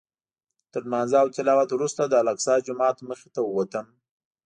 تر لمانځه او تلاوت وروسته د الاقصی جومات مخې ته ووتم.